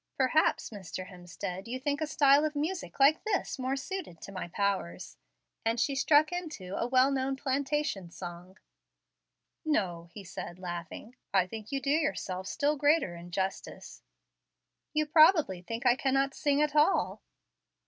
Perhaps, Mr. Hemstead, you think a style of music like this more suited to my powers "; and she struck into a well known plantation song. "No," said he, laughing, "I think you do yourself still greater injustice." "You probably think I cannot sing at all."